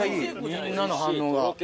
みんなの反応が。